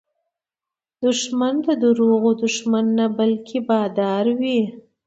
دښمن د دروغو دښمن نه، بلکې بادار وي